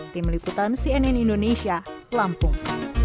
tim liputan cnn indonesia lampung